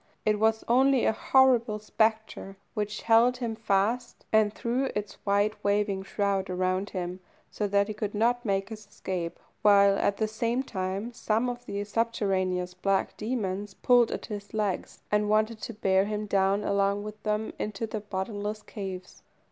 it was only a horrible spectre which held him fast, and threw its wide waving shroud around him, so that he could not make his escape, while, at the same time, some of the subterraneous black demons pulled at his legs, and wanted to bear him down along with them into their bottomless caves.